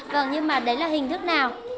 vâng nhưng mà đấy là hình thức nào